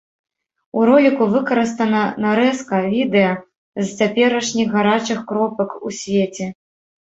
У роліку выкарыстана нарэзка відэа з цяперашніх гарачых кропак у свеце.